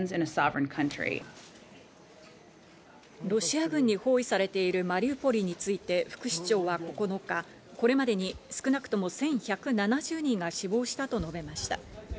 ロシア軍に包囲されているマリウポリについて副市長は９日、これまでに少なくとも１１７０人が死亡したと述べました。